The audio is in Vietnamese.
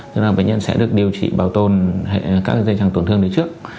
tức là bệnh nhân sẽ được điều trị bảo tồn các dây chẳng tổn thương trước